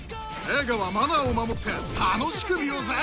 映画はマナーを守って楽しく見ようぜ！